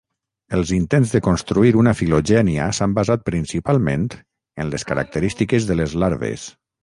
Els intents de construir una filogènia s'han basat principalment en les característiques de les larves.